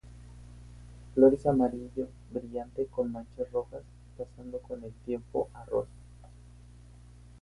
Flores amarillo brillantes con manchas rojas, pasando con el tiempo a rosado.